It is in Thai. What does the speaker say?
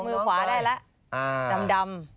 มือขวาได้ละดำ